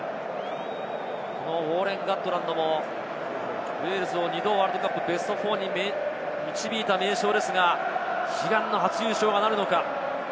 ウォーレン・ガットランドもウェールズを２度、ワールドカップベスト４に導いた名将ですが、悲願の初優勝なるのか？